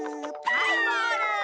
はいゴール！